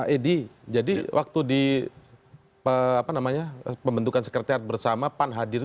edi jadi waktu di pembentukan sekretariat bersama pan hadir